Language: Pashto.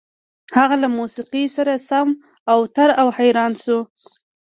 هغه له موسيقۍ سره سم اوتر او حيران شو.